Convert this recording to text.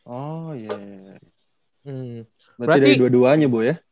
oh iya berarti dari dua duanya bu ya